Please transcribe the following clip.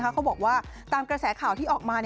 เขาบอกว่าตามกระแสข่าวที่ออกมา